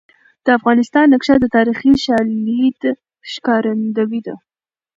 د افغانستان نقشه د تاریخي شالید ښکارندوی ده.